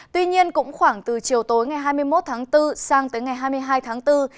tuy nhiên cũng khoảng từ chiều tối ngày hai mươi một tháng bốn sang tới ngày hai mươi hai tháng bốn